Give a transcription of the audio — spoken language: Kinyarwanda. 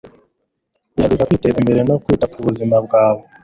Gerageza kwiteza imbere no kwita ku buzima bwawe